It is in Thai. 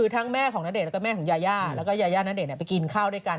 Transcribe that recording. ทั้งแม่ของณเดชแล้วก็แม่ของณยย่าณเดชไปกินข้าวด้วยกัน